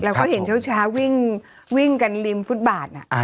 เขาก็เห็นเช้าวิ่งกันริมฟุตบาท